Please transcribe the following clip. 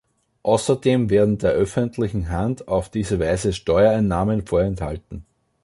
Außerdem werden der öffentlichen Hand auf diese Weise Steuereinnahmen vorenthalten.